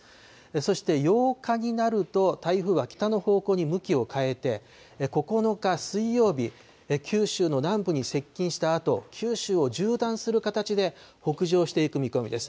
そして、８日になると、台風は北の方向に向きを変えて、９日水曜日、九州の南部に接近したあと、九州を縦断する形で北上していく見込みです。